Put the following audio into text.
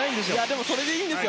でも、それでいいんです。